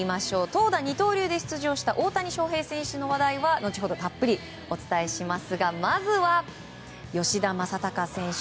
投打二刀流で出場した大谷翔平選手の話題は後ほどたっぷりお伝えしますがまずは、吉田正尚選手